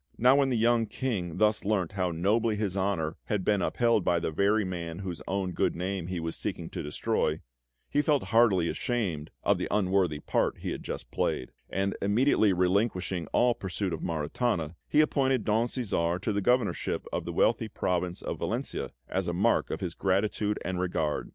Now when the young King thus learnt how nobly his honour had been upheld by the very man whose own good name he was seeking to destroy, he felt heartily ashamed of the unworthy part he had just played; and immediately relinquishing all pursuit of Maritana, he appointed Don Cæsar to the Governorship of the wealthy province of Valentia, as a mark of his gratitude and regard.